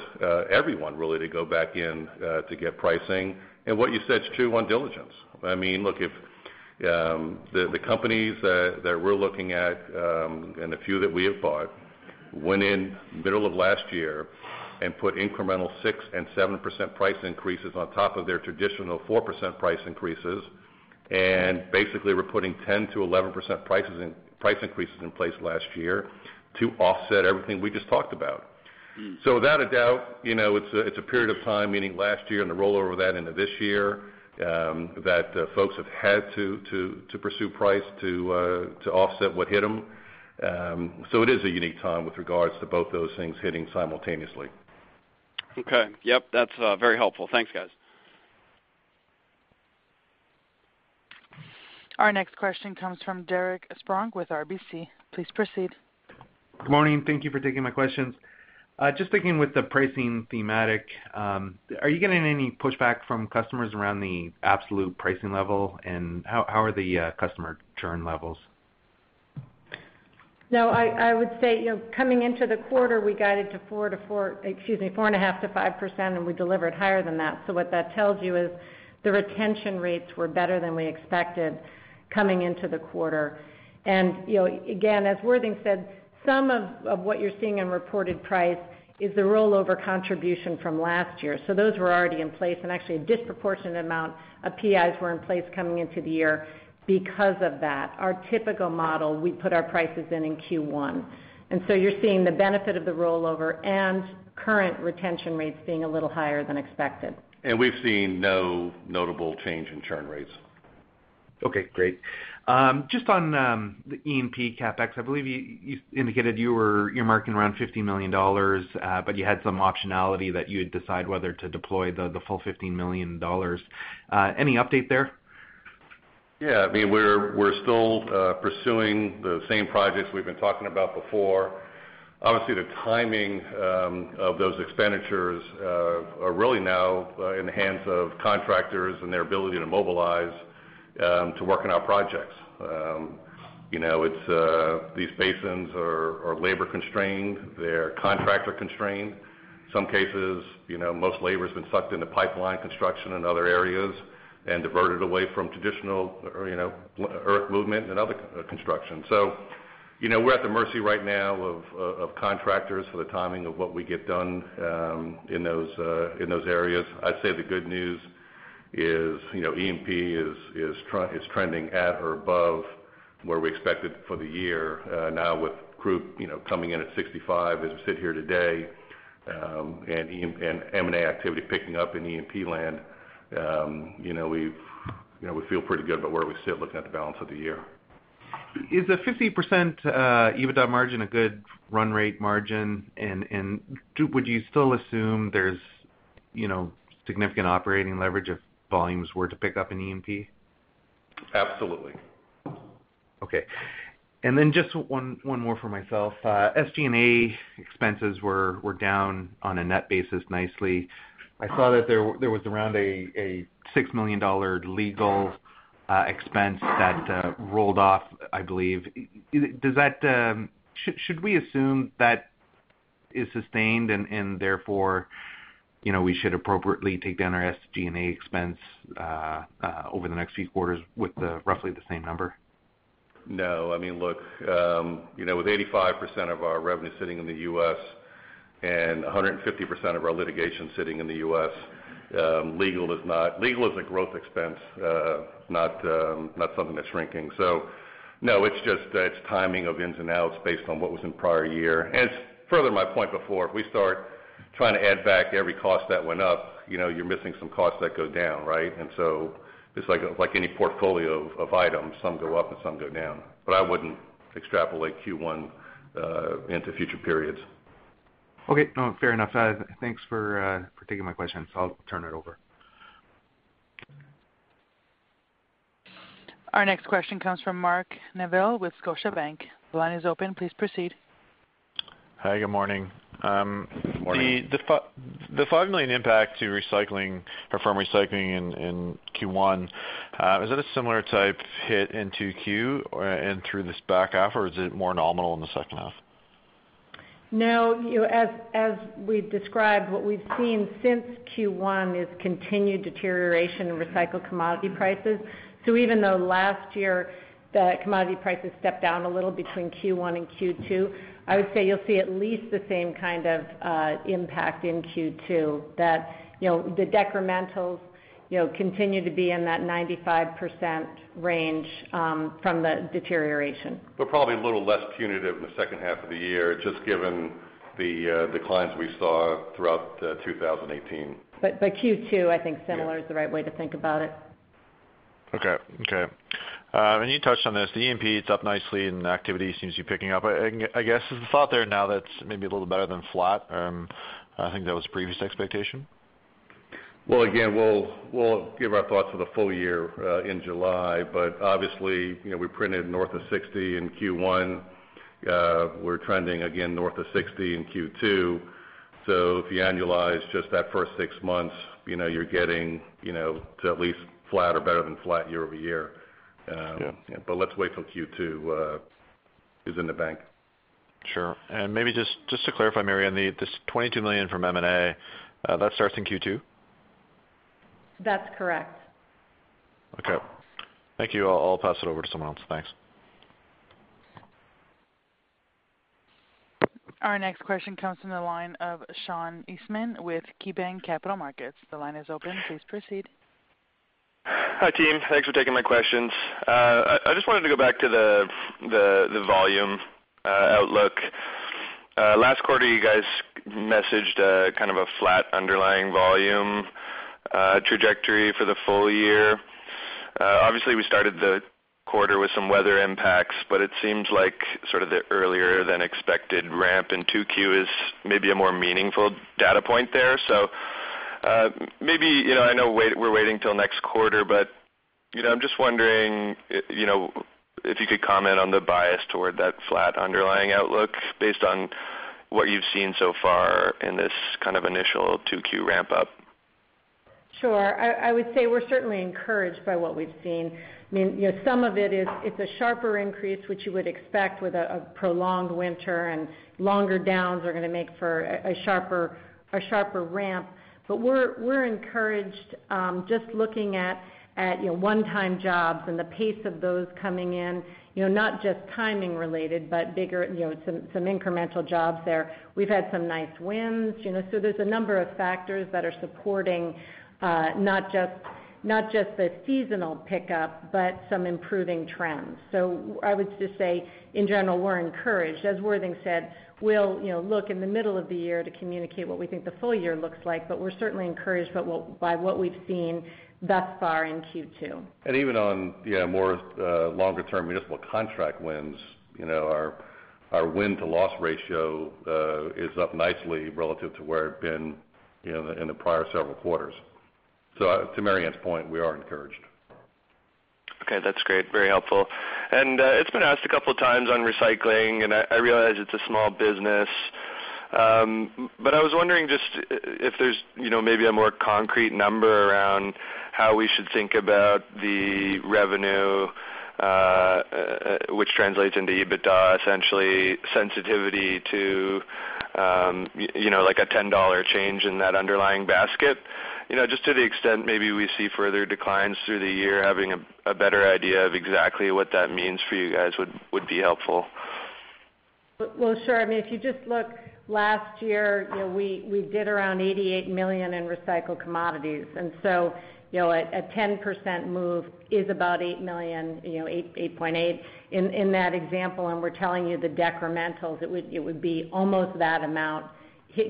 everyone really to go back in to get pricing. What you said is true on diligence. Look, if the companies that we're looking at, and the few that we have bought, went in middle of last year and put incremental 6% and 7% price increases on top of their traditional 4% price increases, and basically were putting 10%-11% price increases in place last year to offset everything we just talked about. Without a doubt, it's a period of time, meaning last year and the rollover of that into this year, that folks have had to pursue price to offset what hit them. It is a unique time with regards to both those things hitting simultaneously. Okay. Yep, that's very helpful. Thanks, guys. Our next question comes from Derek Spronk with RBC. Please proceed. Good morning. Thank you for taking my questions. Just beginning with the pricing thematic, are you getting any pushback from customers around the absolute pricing level, and how are the customer churn levels? No, I would say, coming into the quarter, we guided to 4.5%-5%, and we delivered higher than that. What that tells you is the retention rates were better than we expected coming into the quarter. Again, as Worthing said, some of what you're seeing in reported price is the rollover contribution from last year. Those were already in place and actually a disproportionate amount of PIs were in place coming into the year because of that. Our typical model, we put our prices in in Q1, and so you're seeing the benefit of the rollover and current retention rates being a little higher than expected. We've seen no notable change in churn rates. Okay, great. Just on the E&P CapEx, I believe you indicated you're marking around $50 million, but you had some optionality that you would decide whether to deploy the full $15 million. Any update there? Yeah. We're still pursuing the same projects we've been talking about before. Obviously, the timing of those expenditures are really now in the hands of contractors and their ability to mobilize to work on our projects. These basins are labor constrained. They're contractor constrained. Some cases, most labor's been sucked into pipeline construction in other areas and diverted away from traditional earth movement and other construction. We're at the mercy right now of contractors for the timing of what we get done in those areas. I'd say the good news is E&P is trending at or above where we expected for the year. Now with group coming in at 65 as we sit here today, and M&A activity picking up in E&P land, we feel pretty good about where we sit looking at the balance of the year. Is the 50% EBITDA margin a good run rate margin? Would you still assume there's significant operating leverage if volumes were to pick up in E&P? Absolutely. Okay. Just one more for myself. SG&A expenses were down on a net basis nicely. I saw that there was around a $6 million legal-expense that rolled off, I believe. Should we assume that is sustained and therefore, we should appropriately take down our SG&A expense over the next few quarters with roughly the same number? No. Look, with 85% of our revenue sitting in the U.S. and 150% of our litigation sitting in the U.S., legal is a growth expense, not something that's shrinking. No, it's just timing of ins and outs based on what was in prior year. Further my point before, if we start trying to add back every cost that went up, you're missing some costs that go down, right? It's like any portfolio of items, some go up and some go down. I wouldn't extrapolate Q1 into future periods. Okay. No, fair enough. Thanks for taking my questions. I'll turn it over. Our next question comes from Mark Neville with Scotiabank. The line is open. Please proceed. Hi. Good morning. Good morning. The $5 million impact to firm recycling in Q1, is it a similar type hit in 2Q and through this back half, or is it more nominal in the second half? No. As we've described, what we've seen since Q1 is continued deterioration in recycled commodity prices. Even though last year the commodity prices stepped down a little between Q1 and Q2, I would say you'll see at least the same kind of impact in Q2, that the decrementals continue to be in that 95% range from the deterioration. Probably a little less punitive in the second half of the year, just given the declines we saw throughout 2018. Q2, I think similar- Yes is the right way to think about it. Okay. You touched on this, the E&P, it's up nicely and the activity seems to be picking up. I guess, is the thought there now that's maybe a little better than flat? I think that was previous expectation. Well, again, we'll give our thoughts for the full year in July. Obviously, we printed north of $60 in Q1. We're trending again north of $60 in Q2. If you annualize just that first six months, you're getting to at least flat or better than flat year-over-year. Yeah. Let's wait till Q2 is in the bank. Maybe just to clarify, Mary, this $22 million from M&A, that starts in Q2? That's correct. Okay. Thank you. I'll pass it over to someone else. Thanks. Our next question comes from the line of Sean Eastman with KeyBanc Capital Markets. The line is open. Please proceed. Hi, team. Thanks for taking my questions. I just wanted to go back to the volume outlook. Last quarter, you guys messaged kind of a flat underlying volume trajectory for the full year. Obviously, we started the quarter with some weather impacts, but it seems like sort of the earlier than expected ramp in 2Q is maybe a more meaningful data point there. Maybe, I know we're waiting till next quarter, but I'm just wondering if you could comment on the bias toward that flat underlying outlook based on what you've seen so far in this kind of initial 2Q ramp up. Sure. I would say we're certainly encouraged by what we've seen. Some of it is, it's a sharper increase, which you would expect with a prolonged winter and longer downs are going to make for a sharper ramp. We're encouraged just looking at one-time jobs and the pace of those coming in, not just timing related, but bigger, some incremental jobs there. We've had some nice wins. There's a number of factors that are supporting, not just the seasonal pickup, but some improving trends. I would just say, in general, we're encouraged. As Worthing said, we'll look in the middle of the year to communicate what we think the full year looks like, but we're certainly encouraged by what we've seen thus far in Q2. Even on more longer term municipal contract wins, our win to loss ratio is up nicely relative to where it had been in the prior several quarters. To Mary Anne's point, we are encouraged. Okay. That's great. Very helpful. It's been asked a couple times on recycling, and I realize it's a small business. I was wondering just if there's maybe a more concrete number around how we should think about the revenue, which translates into EBITDA, essentially, sensitivity to a $10 change in that underlying basket. Just to the extent maybe we see further declines through the year, having a better idea of exactly what that means for you guys would be helpful. Well, sure. If you just look last year, we did around $88 million in recycled commodities. A 10% move is about $8 million, $8.8 in that example, and we're telling you the decrementals, it would be almost that amount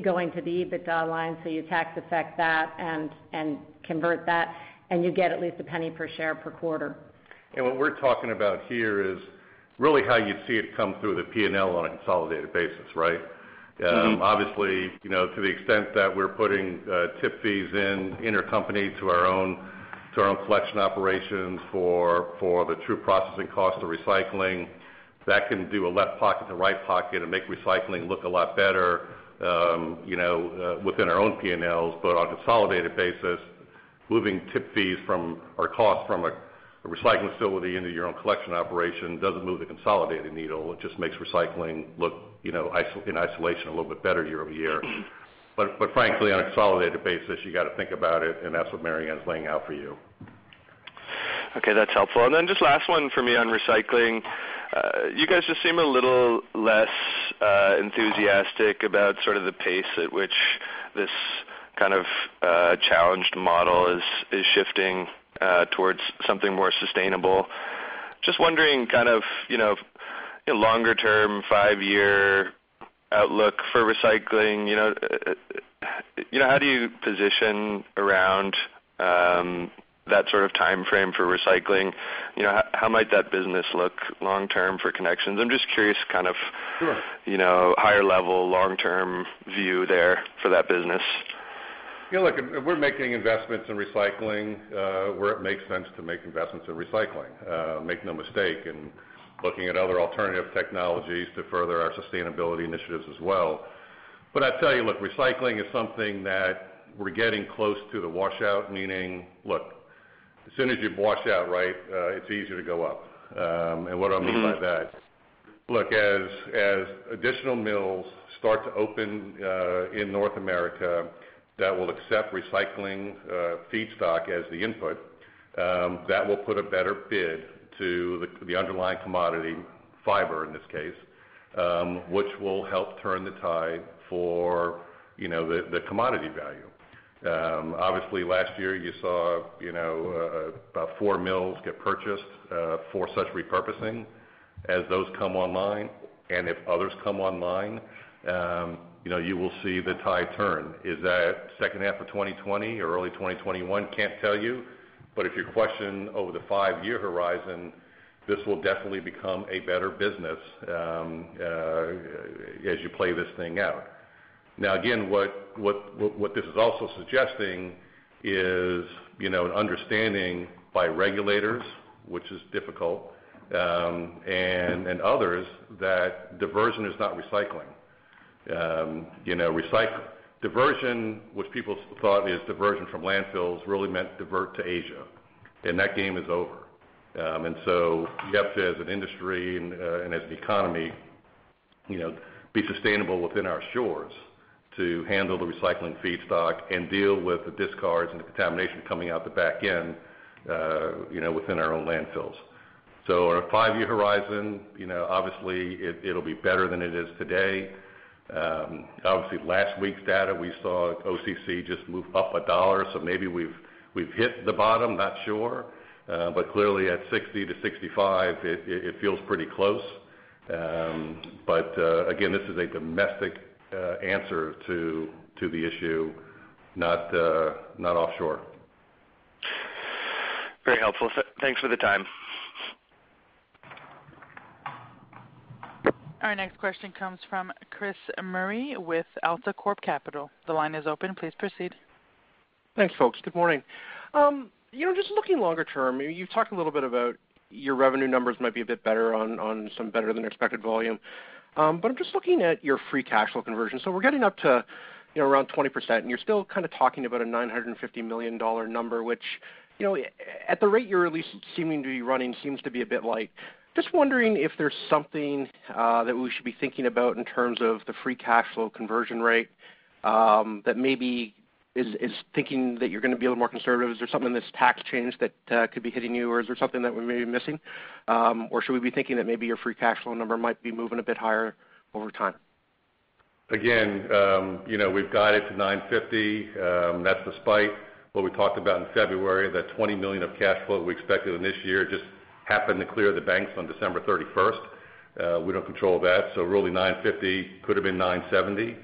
going to the EBITDA line. You tax effect that and convert that, and you get at least a penny per share per quarter. What we're talking about here is really how you'd see it come through the P&L on a consolidated basis, right? Obviously, to the extent that we're putting tip fees in intercompany to our own collection operations for the true processing cost of recycling. That can do a left pocket to right pocket and make recycling look a lot better within our own P&Ls. On a consolidated basis, moving tip fees or cost from a recycling facility into your own collection operation doesn't move the consolidated needle. It just makes recycling look, in isolation, a little bit better year-over-year. Frankly, on a consolidated basis, you got to think about it, and that's what Mary Anne's laying out for you. Okay, that's helpful. Just last one for me on recycling. You guys just seem a little less enthusiastic about the pace at which this kind of challenged model is shifting towards something more sustainable. Just wondering longer term, five-year outlook for recycling. How do you position around that sort of timeframe for recycling? How might that business look long term for Connections? Sure higher level, long-term view there for that business. Look, we're making investments in recycling where it makes sense to make investments in recycling. Make no mistake in looking at other alternative technologies to further our sustainability initiatives as well. I tell you, look, recycling is something that we're getting close to the washout, meaning, look, as soon as you've washed out, it's easier to go up. What I mean by that, look, as additional mills start to open in North America that will accept recycling feedstock as the input, that will put a better bid to the underlying commodity, fiber in this case, which will help turn the tide for the commodity value. Obviously, last year you saw about four mills get purchased for such repurposing. As those come online, and if others come online, you will see the tide turn. Is that second half of 2020 or early 2021? Can't tell you. If you question over the five-year horizon, this will definitely become a better business as you play this thing out. Now again, what this is also suggesting is an understanding by regulators, which is difficult, and others that diversion is not recycling. Diversion, which people thought is diversion from landfills, really meant divert to Asia, and that game is over. You have to, as an industry and as an economy, be sustainable within our shores to handle the recycling feedstock and deal with the discards and the contamination coming out the back end within our own landfills. On a five-year horizon, obviously, it'll be better than it is today. Obviously, last week's data, we saw OCC just move up $1, maybe we've hit the bottom, not sure. Clearly at $60-$65, it feels pretty close. Again, this is a domestic answer to the issue, not offshore. Very helpful. Thanks for the time. Our next question comes from Chris Murray with AltaCorp Capital. The line is open. Please proceed. Thanks, folks. Good morning. Just looking longer term, you've talked a little bit about your revenue numbers might be a bit better on some better than expected volume. I'm just looking at your free cash flow conversion. We're getting up to around 20%, and you're still kind of talking about a $950 million number, which at the rate you're at least seeming to be running seems to be a bit light. Just wondering if there's something that we should be thinking about in terms of the free cash flow conversion rate that maybe is thinking that you're going to be a little more conservative. Is there something in this tax change that could be hitting you, or is there something that we may be missing? Should we be thinking that maybe your free cash flow number might be moving a bit higher over time? Again, we've guided to $950. That's despite what we talked about in February, that $20 million of cash flow that we expected in this year just happened to clear the banks on December 31st. We don't control that. Really, $950 could've been $970.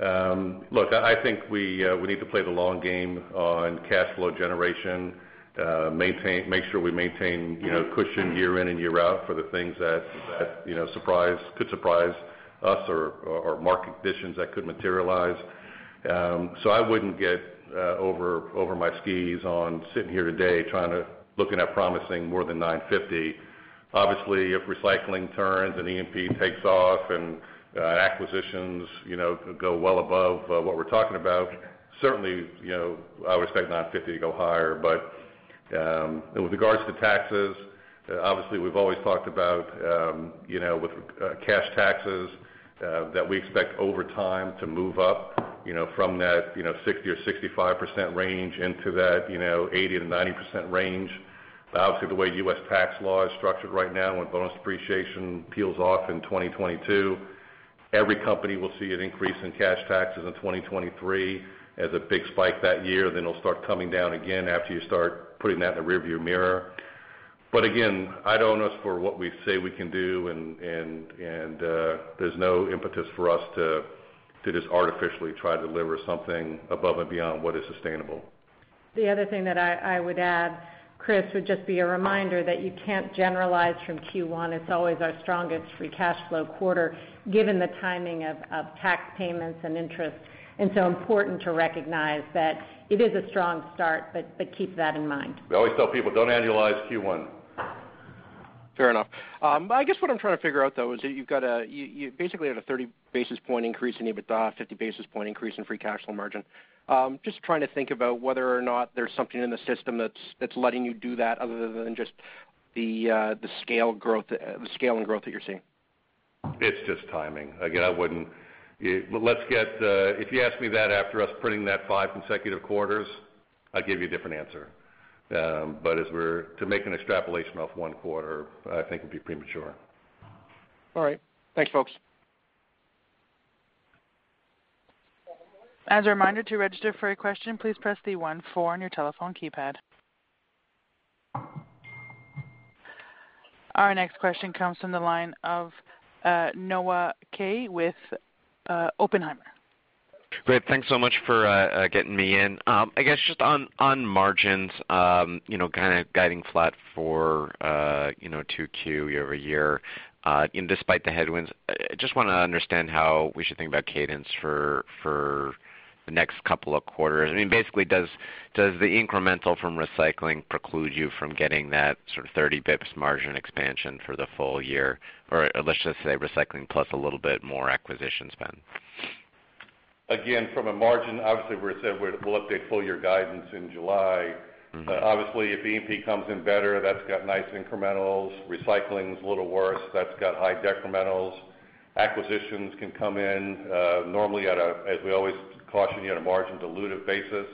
Look, I think we need to play the long game on cash flow generation, make sure we maintain cushion year in and year out for the things that could surprise us or market conditions that could materialize. I wouldn't get over my skis on sitting here today looking at promising more than $950. Obviously, if recycling turns and E&P takes off and acquisitions go well above what we're talking about, certainly, I would expect $950 to go higher. With regards to taxes, obviously we've always talked about with cash taxes, that we expect over time to move up from that 60% or 65% range into that 80%-90% range. Obviously, the way U.S. tax law is structured right now, when bonus depreciation peels off in 2022, every company will see an increase in cash taxes in 2023 as a big spike that year, then it'll start coming down again after you start putting that in the rearview mirror. Again, I'd own us for what we say we can do, and there's no impetus for us to just artificially try to deliver something above and beyond what is sustainable. The other thing that I would add, Chris, would just be a reminder that you can't generalize from Q1. It's always our strongest free cash flow quarter given the timing of tax payments and interest, and so important to recognize that it is a strong start, but keep that in mind. We always tell people, don't annualize Q1. Fair enough. I guess what I'm trying to figure out, though, is that you basically had a 30 basis point increase in EBITDA, 50 basis point increase in free cash flow margin. Just trying to think about whether or not there's something in the system that's letting you do that other than just the scale and growth that you're seeing. It's just timing. If you asked me that after us printing that five consecutive quarters, I'd give you a different answer. To make an extrapolation off one quarter, I think would be premature. All right. Thanks, folks. As a reminder, to register for a question, please press the one four on your telephone keypad. Our next question comes from the line of Noah Kaye with Oppenheimer. Great. Thanks so much for getting me in. I guess just on margins, kind of guiding flat for 2Q year-over-year despite the headwinds. I just want to understand how we should think about cadence for the next couple of quarters. Basically, does the incremental from recycling preclude you from getting that sort of 30 bips margin expansion for the full year? Let's just say recycling plus a little bit more acquisition spend. From a margin, obviously we said we'll update full year guidance in July. Obviously if E&P comes in better, that's got nice incrementals. Recycling's a little worse. That's got high decrementals. Acquisitions can come in normally at a, as we always caution you, at a margin dilutive basis.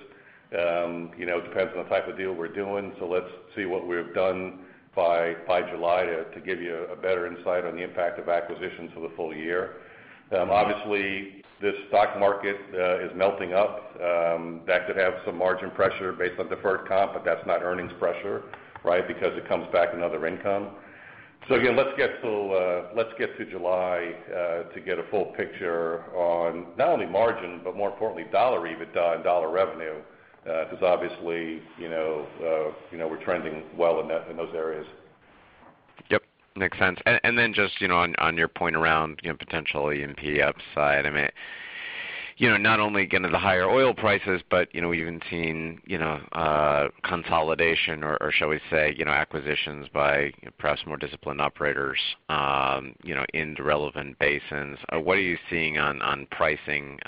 Depends on the type of deal we're doing. Let's see what we've done by July to give you a better insight on the impact of acquisitions for the full year. Obviously, this stock market is melting up. That could have some margin pressure based on deferred comp, but that's not earnings pressure, right? It comes back in other income. Again, let's get to July to get a full picture on not only margin, but more importantly, dollar EBITDA and dollar revenue, because obviously, we're trending well in those areas. Yep, makes sense. Just on your point around potential E&P upside. Not only again to the higher oil prices, but we've even seen consolidation or shall we say acquisitions by perhaps more disciplined operators in the relevant basins. What are you seeing on pricing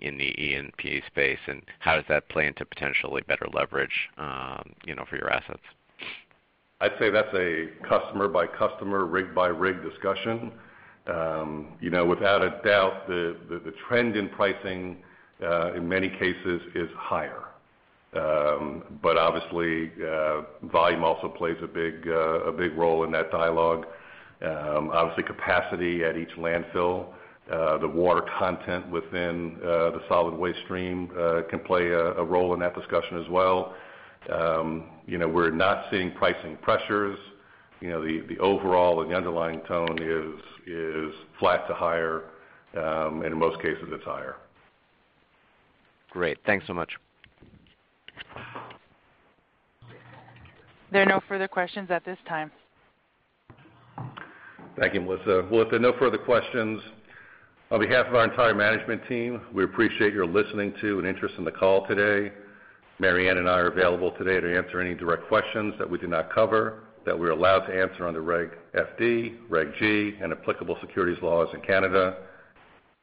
in the E&P space, and how does that play into potentially better leverage for your assets? I'd say that's a customer by customer, rig by rig discussion. Without a doubt, the trend in pricing, in many cases, is higher. Volume also plays a big role in that dialogue. Capacity at each landfill, the water content within the solid waste stream can play a role in that discussion as well. We're not seeing pricing pressures. The overall and the underlying tone is flat to higher. In most cases, it's higher. Great. Thanks so much. There are no further questions at this time. Thank you, Melissa. If there are no further questions, on behalf of our entire management team, we appreciate your listening to and interest in the call today. Mary Anne and I are available today to answer any direct questions that we did not cover that we're allowed to answer under Regulation FD, Regulation G, and applicable securities laws in Canada.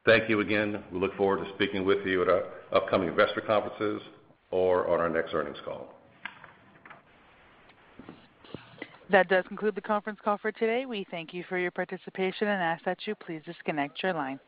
Thank you again. We look forward to speaking with you at our upcoming investor conferences or on our next earnings call. That does conclude the conference call for today. We thank you for your participation and ask that you please disconnect your line.